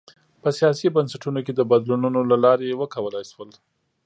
په سیاسي بنسټونو کې د بدلونونو له لارې وکولای شول.